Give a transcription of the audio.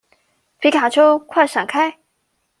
皮卡丘，快閃開